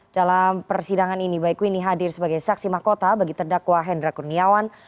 dalam persidangan ini baikuine hadir sebagai saksi mahkota bagi terdakwa hendra kurniawan